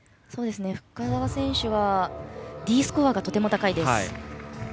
深沢選手はＤスコアがとても高いです。